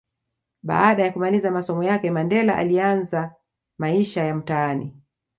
Baada ya kumaliza masomo yake Mandela aliyaanza maisha ya mtaani